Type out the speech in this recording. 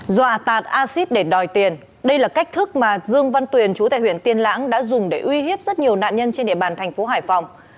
dọa tạt acid để đòi tiền đây là cách thức mà dương văn tuyền chú tại huyện tiên lãng đã dùng để uy hiếp rất nhiều nạn nhân trên địa bàn thành phố hải phòng